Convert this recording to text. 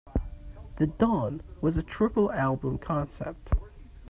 "The Dawn" was a triple-album concept.